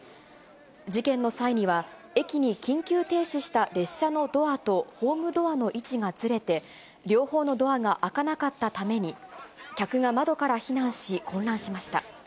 事件の際には、駅に緊急停止した列車のドアとホームドアの位置がずれて、両方のドアが開かなかったために、客が窓から避難し、混乱しました。